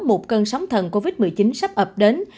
một cơn sóng thần covid một mươi chín sắp ập đến